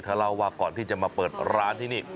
เล่าว่าก่อนที่จะมาเปิดร้านที่นี่